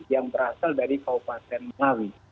yang berasal dari kaupaten melawi